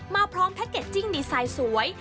พร้อมแพ็กเกจจิ้งดีไซน์สวย